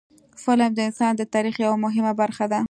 فلم د انسان د تاریخ یوه مهمه برخه ده